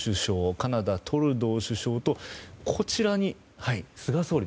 カナダ、トルドー首相とこちらに菅総理。